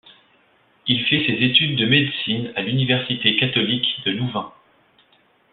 Il fait ses études de médecine à l’Université Catholique de Louvain.